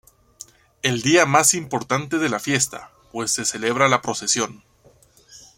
El día más importante de la fiesta, pues se celebra la procesión.